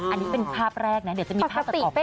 อันนี้เป็นภาพแรกนะเดี๋ยวจะมีภาพต่อไป